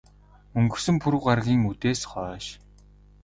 Өнгөрсөн пүрэв гаригийн үдээс хойш.